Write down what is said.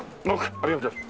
ありがとうございます。